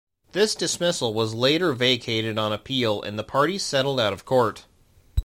This dismissal was later vacated on appeal, and the parties settled out of court.